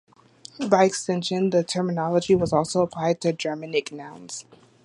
By extension, the terminology was also applied to Germanic nouns.